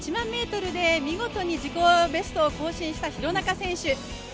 そして、１００００ｍで見事に自己ベストを更新した廣中選手。